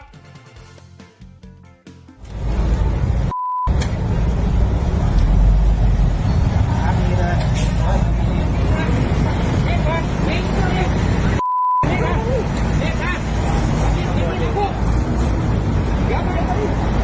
เดี๋ยวพวกเดี๋ยวพวกมานี่มานี่